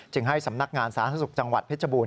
จึงให้สำนักงานสร้างสรุปจังหวัดเพชรบูรณ์